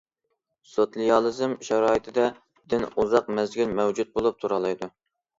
سوتسىيالىزم شارائىتىدا دىن ئۇزاق مەزگىل مەۋجۇت بولۇپ تۇرالايدۇ.